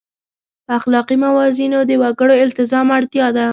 په اخلاقي موازینو د وګړو التزام اړتیا ده.